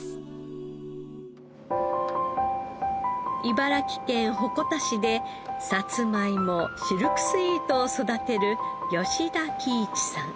茨城県鉾田市でさつまいもシルクスイートを育てる田喜一さん。